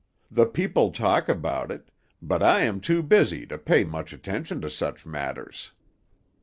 The people talk about it, but I am too busy to pay much attention to such matters."